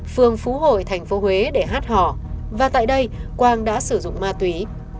phường phú hội thành phố huế để hát hò và tại đây quang đã sử dụng ma túy